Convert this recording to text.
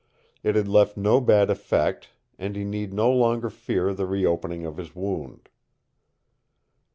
It had left no bad effect, and he need no longer fear the reopening of his wound.